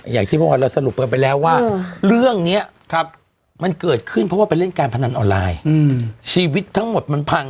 อย่างที่เมื่อวานเราสรุปกันไปแล้วว่าเรื่องนี้มันเกิดขึ้นเพราะว่าไปเล่นการพนันออนไลน์ชีวิตทั้งหมดมันพัง